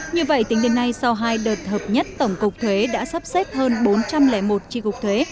như vậy tính đến nay sau hai đợt hợp nhất tổng cục thuế đã sắp xếp hơn bốn trăm linh một tri cục thuế